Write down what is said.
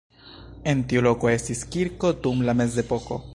En tiu loko estis kirko dum la mezepoko.